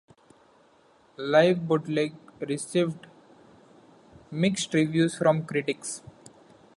"Live Bootleg" received mixed reviews from critics.